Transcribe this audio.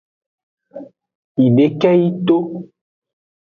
Eyideke yi to.